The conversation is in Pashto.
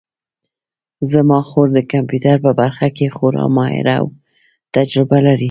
زما خور د کمپیوټر په برخه کې خورا ماهره او تجربه لري